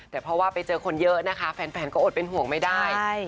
แต่เพราะว่าไปเจอคนเยอะนะคะแฟนก็อดเป็นห่วงไม่ได้